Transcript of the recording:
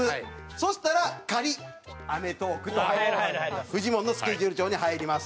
そしたら「『アメトーーク』」とフジモンのスケジュール帳に入ります。